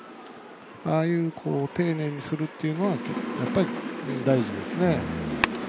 ああいうのを丁寧にするというのは大事ですね。